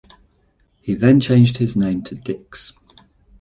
He then changed his name to Dix.